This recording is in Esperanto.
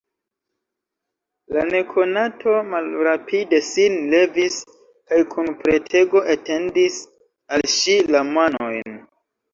La nekonato malrapide sin levis kaj kun petego etendis al ŝi la manojn.